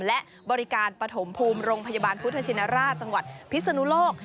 และบริการปฐมภูมิโรงพยาบาลพุทธชินราชจังหวัดพิศนุโลก